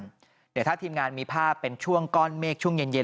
เดี๋ยวถ้าทีมงานมีภาพเป็นช่วงก้อนเมฆช่วงเย็น